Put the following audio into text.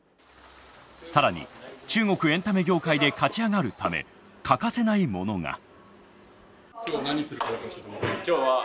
更に中国エンタメ業界で勝ち上がるため欠かせないものが。